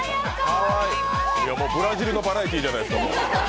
ブラジルのバラエティーじゃないですか。